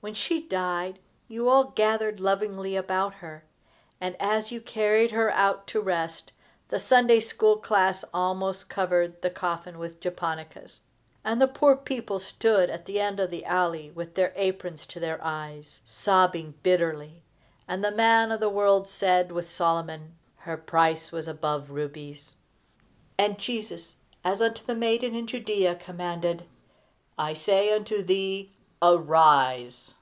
When she died, you all gathered lovingly about her; and as you carried her out to rest, the Sunday school class almost covered the coffin with japonicas; and the poor people stood at the end of the alley, with their aprons to their eyes, sobbing bitterly; and the man of the world said, with Solomon, "Her price was above rubies;" and Jesus, as unto the maiden in Judea, commanded: "I SAY UNTO THEE, ARISE!"